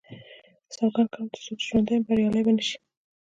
سوګند کوم تر څو چې ژوندی یم بریالی به نه شي.